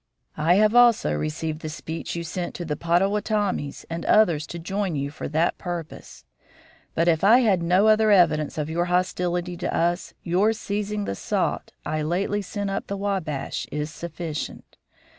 I have also received the speech you sent to the Pottawottomies and others to join you for that purpose; but if I had no other evidence of your hostility to us your seizing the salt I lately sent up the Wabash is sufficient.